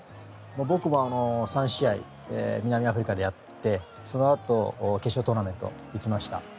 僕は３試合南アフリカでやってそのあと決勝トーナメント行きました。